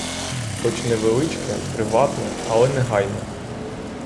Хоч невеличке, приватне, але негайне.